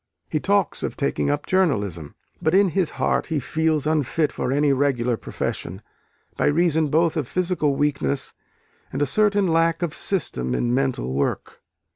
He talks of taking up journalism but in his heart he feels unfit for any regular profession, by reason both of physical weakness and a certain lack of system in mental work.